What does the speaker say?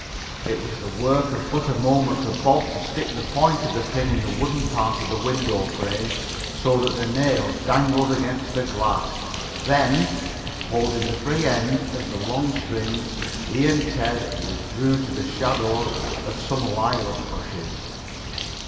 It was the work of but a moment for Bob to stick the point of the pin in the wooden part of the window frame so that the nail dangled against the glass. Then, holding the free end of the long string, he and Ted withdrew to the shadow of some lilac bushes.